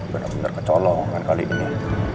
bener bener kecolongan kali ini